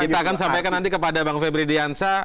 kita akan sampaikan nanti kepada bang febri diansa